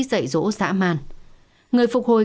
dậy rỗ dã man người phục hồi